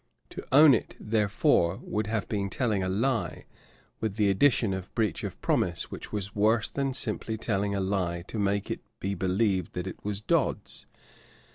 To own it, therefore, would have been telling a lie, with the addition of breach of promise, which was worse than simply telling a lie to make it be believed it was Dodd's.